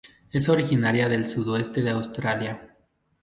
Es originaria del sudeste de Australia.